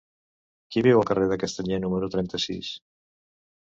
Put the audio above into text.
Qui viu al carrer de Castanyer número trenta-sis?